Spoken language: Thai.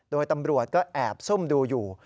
โดยตำรวจก็แอบซุ่มดูอยู่